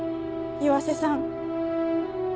岩瀬さん。